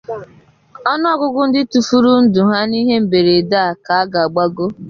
Ọnụ ọgụ ndị tufuru ndụ ha n’ihe mberede a ka ga-agbago.